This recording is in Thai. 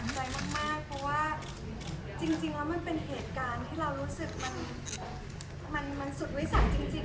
ใจมากเพราะว่าจริงแล้วมันเป็นเหตุการณ์ที่เรารู้สึกมันสุดวิสันจริง